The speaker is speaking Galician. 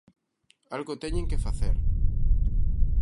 Algo teñen que facer.